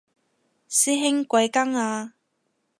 師兄貴庚啊